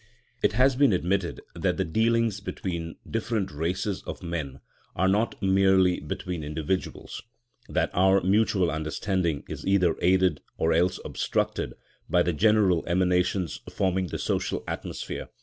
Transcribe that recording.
It has been admitted that the dealings between different races of men are not merely between individuals; that our mutual understanding is either aided, or else obstructed, by the general emanations forming the social atmosphere.